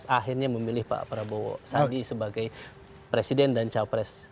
akhirnya memilih pak prabowo sadi sebagai presiden dan cawpres